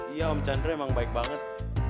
iya om chandra emang baik banget